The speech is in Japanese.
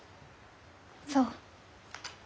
そう。